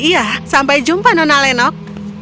iya sampai jumpa nona lenok